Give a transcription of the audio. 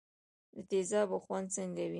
د تیزابو خوند څنګه وي.